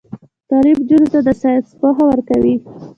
تعلیم نجونو ته د ساينس پوهه ورکوي.